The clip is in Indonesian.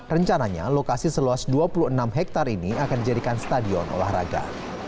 rencananya lokasi seluas dua puluh enam hektare ini akan dijadikan stadion olahraga